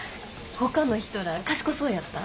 ほかの人ら賢そうやった？